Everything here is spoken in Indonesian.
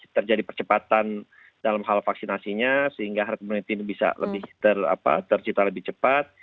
terjadi percepatan dalam hal vaksinasinya sehingga herd immunity bisa tercita lebih cepat